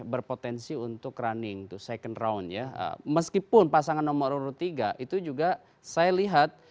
jadi berpotensi untuk running to second round ya meskipun pasangan nomor urut tiga itu juga saya lihat